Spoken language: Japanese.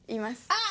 あっ！